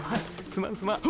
すまんすまん。